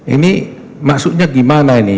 ini maksudnya gimana ini